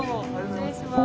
失礼します。